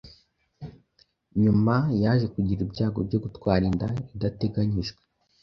Nyuma yaje kugira ibyago byo gutwara inda idateganyijwe,